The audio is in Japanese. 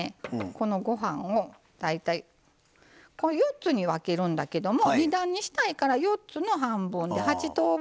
このご飯を大体４つに分けるんだけども２段にしたいから４つの半分で８等分ぐらいにしますね。